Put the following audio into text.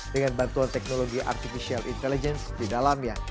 dengan bantuan teknologi artificial intelligence di dalamnya